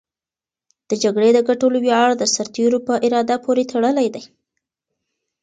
د جګړې د ګټلو ویاړ د سرتېرو په اراده پورې تړلی دی.